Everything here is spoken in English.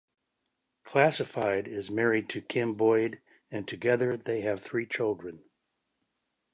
Classified is married to Kim Boyd and together, they have three children.